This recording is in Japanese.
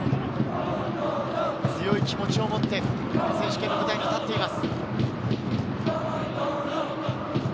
強い気持ちを持って、この選手権の舞台に立っています。